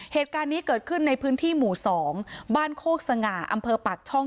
เหตุการณ์นี้เกิดขึ้นในพื้นที่หมู่๒บ้านโคกสง่าอำเภอปากช่อง